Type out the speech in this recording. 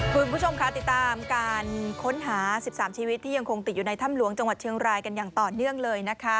คุณผู้ชมค่ะติดตามการค้นหา๑๓ชีวิตที่ยังคงติดอยู่ในถ้ำหลวงจังหวัดเชียงรายกันอย่างต่อเนื่องเลยนะคะ